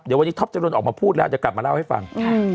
เดี๋ยววันนี้ท็อปจรนออกมาพูดแล้วเดี๋ยวกลับมาเล่าให้ฟัง